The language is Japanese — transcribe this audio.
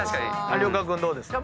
有岡君どうですか？